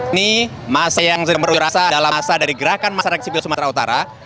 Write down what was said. ini masa yang berwirasa adalah masa dari gerakan masyarakat sipil sumatera utara